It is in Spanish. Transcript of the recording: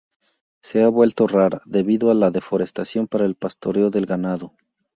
Se ha vuelto rara debido a la deforestación para el pastoreo del ganado.